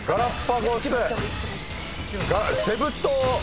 セブ島